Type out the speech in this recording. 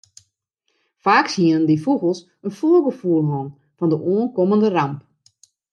Faaks hiene dy fûgels in foargefoel hân fan de oankommende ramp.